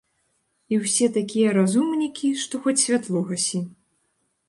І ўсе такія разумнікі, што хоць святло гасі.